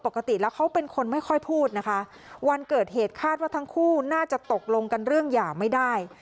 ปกติแล้วเขาเป็นคนไม่ค่อยพูดนะคะวันเกิดเหตุคาดว่าทั้งคู่น่าจะตกลงกันเรื่องหย่าไม่ได้